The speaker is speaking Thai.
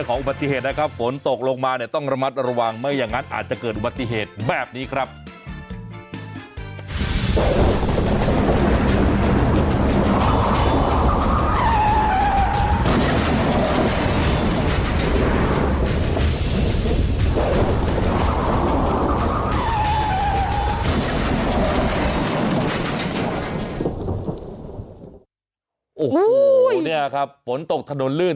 โอ้โหเนี่ยครับฝนตกถนนลื่น